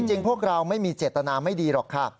พวกเราไม่มีเจตนาไม่ดีหรอกค่ะ